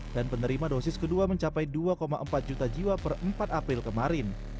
dan penerima dosis kedua mencapai dua empat juta jiwa per empat april kemarin